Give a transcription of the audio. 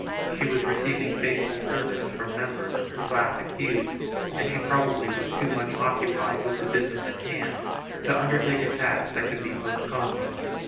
She was receiving faithful service from members of the class accused and she probably was too much occupied with the business in hand to undertake a task that could be postponed.